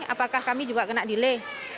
apakah kami juga kena delay